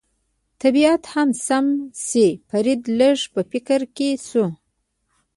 طبیعت هم سم شي، فرید لږ په فکر کې شو.